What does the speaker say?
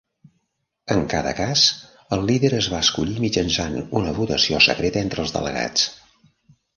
En cada cas, el líder es va escollir mitjançant una votació secreta entre els delegats.